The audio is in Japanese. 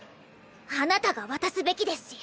あなたが渡すべきですし。